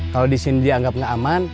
kalau disini dianggap gak aman